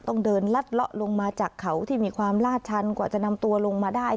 ต้องเดินลัดเลาะลงมาจากเขาที่มีความลาดชันกว่าจะนำตัวลงมาได้